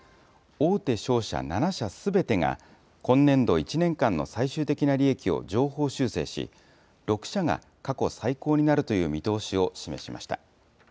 大手商社７社すべてが、今年度１年間の最終的な利益を上方修正し、６社が過去最高になるという見通しを示しました。